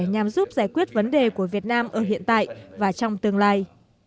nhằm giúp giải quyết vấn đề của việt nam ở hiện tại và trong tương lai